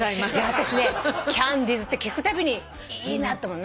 私ねキャンディーズって聞くたびにいいなと思う。